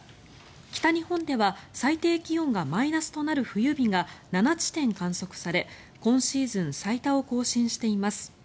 北日本では最低気温がマイナスとなる冬日が７地点観測され今シーズン最多を更新しています。